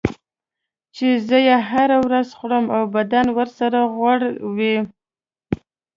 چې زه یې هره ورځ خورم او بدنم ورسره روغ وي.